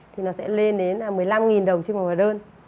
thì nó sẽ lên đến một mươi năm đồng trên một hóa đơn